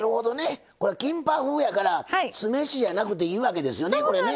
キンパ風やから酢飯じゃなくていいわけですよね。